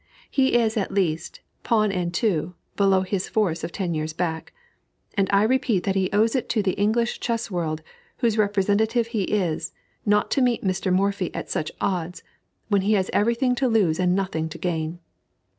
He is at least "Pawn and two" below his force of ten years back; and I repeat that he owes it to the English chess world, whose representative he is, not to meet Mr. Morphy at such odds, when he has every thing to lose and nothing to gain.